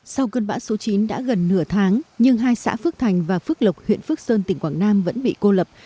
sau cơn bão số chín đã gần nửa tháng nhưng hai xã phước thành và phước lộc huyện phước sơn tỉnh quảng nam vẫn bị cô lập